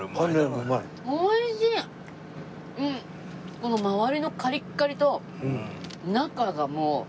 この周りのカリッカリと中がもうジューシー。